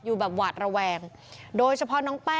อยู่แบบหวาดระแวง